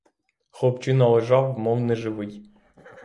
Хлопчина лежав, мов неживий.